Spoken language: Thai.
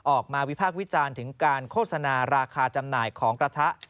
วิพากษ์วิจารณ์ถึงการโฆษณาราคาจำหน่ายของกระทะ